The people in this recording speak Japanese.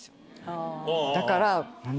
だから。